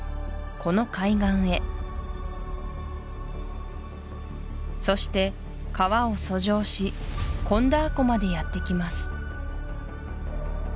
この海岸へそして川を遡上しコンダー湖までやってきます